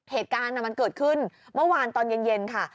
เหตุการณ์มันเกิดขึ้นเมื่อวานตอนเย็นค่ะ